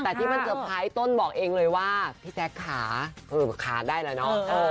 แต่ที่มันเตอร์ไพรส์ต้นบอกเองเลยว่าพี่แจ๊คค่ะขาดได้แล้วเนาะ